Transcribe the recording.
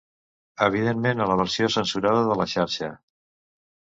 Evidentment a la versió censurada de la xarxa.